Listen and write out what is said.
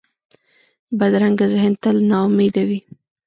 بدرنګه ذهن تل ناامیده وي